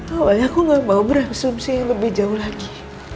awalnya aku gak mau berasumsi lebih jauh lagi